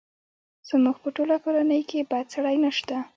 زموږ په ټوله کورنۍ کې بد سړی نه شته!